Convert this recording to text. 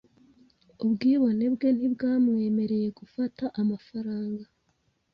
Ubwibone bwe ntibwamwemereye gufata amafaranga .